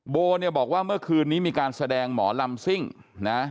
โบเนี่ยบอกว่าเมื่อคืนนี้มีการแสดงหมอลำซิ่งนะ